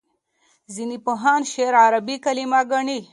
ځینې پوهان شعر عربي کلمه ګڼي.